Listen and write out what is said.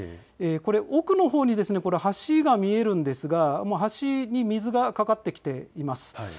奥のほうに橋が見えるんですがもう橋に水がかかってきています。